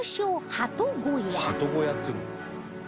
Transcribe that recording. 「ハト小屋っていうんだ」